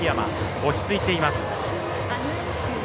落ち着いています。